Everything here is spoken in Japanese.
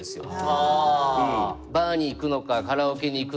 バーに行くのかカラオケに行くのか。